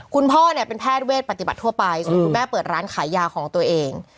คุณพ่อเนี่ยเป็นแพทย์เวทปฏิบัติทั่วไปส่วนคุณแม่เปิดร้านขายยาของตัวเอง